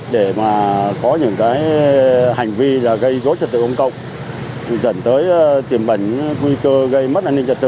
để mà có những cái hành vi là gây dối trật tự công cộng dẫn tới tiềm bẩn nguy cơ gây mất an ninh trật tự